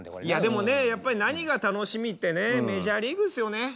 いやでもね何が楽しみってねメジャーリーグっすよね。